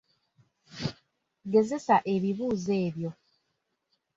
Gezesa ebibuuzo ebyo